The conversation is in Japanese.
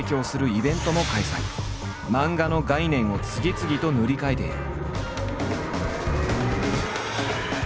漫画の概念を次々と塗り替えている。